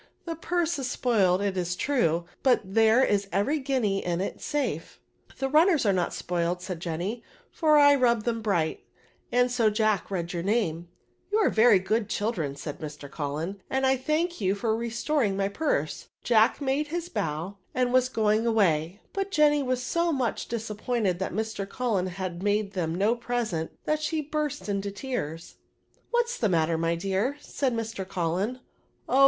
The purse is spoiled, it is true, but there is every guinea in it safe." " The runners are not spoiled," said Jenny, ^' for I rubbed them bright^ and so Jack read your name." " You ard very good children," said Mr. Cullen, " and I thank you for restoring my purse. Jack made his bow, and was going away; but Jenny was so much dis appointed that Mr. Cullen had made them ntf present, that she burst into tears. " What's the matter, my dear," said Mr. Cullen. *^ Oh